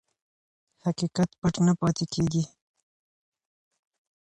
حقیقت پټ نه پاتې کېږي.